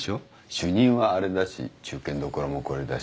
主任はあれだし中堅どころもこれだし。